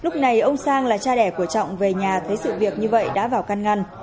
trọng là cha đẻ của trọng về nhà thấy sự việc như vậy đã vào căn ngăn